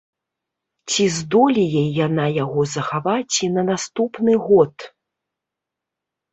Ці здолее яна яго захаваць і на наступны год?